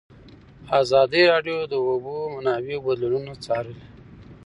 ازادي راډیو د د اوبو منابع بدلونونه څارلي.